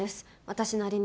私なりに。